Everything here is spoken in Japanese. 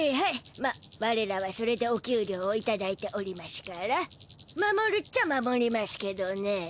まあわれらはそれでおきゅうりょうをいただいておりましゅから。守るっちゃ守りましゅけどねえ。